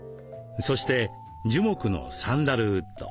そして樹木のサンダルウッド。